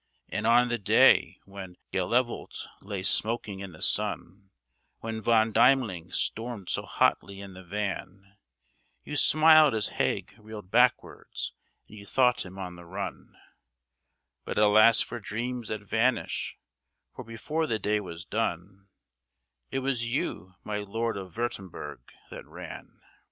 And on the day when Gheluvelt lay smoking in the sun, When Von Deimling stormed so hotly in the van, You smiled as Haig reeled backwards and you thought him on the run, But, alas for dreams that vanish, for before the day was done It was you, my Lord of Würtemberg, that ran.